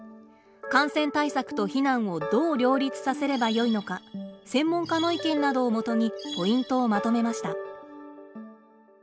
感染対策と避難をどう両立させればよいのか専門家の意見などをもとにポイントをまとめました。